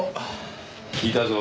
聞いたぞ。